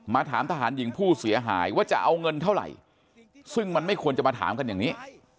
ถามทหารหญิงผู้เสียหายว่าจะเอาเงินเท่าไหร่ซึ่งมันไม่ควรจะมาถามกันอย่างนี้